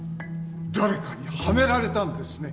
誰かにはめられたんですね！